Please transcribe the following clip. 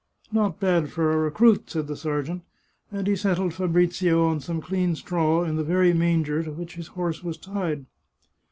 " Not bad, for a recruit," said the sergeant, and he set tled Fabrizio on some clean straw in the very manger to which his horse was tied.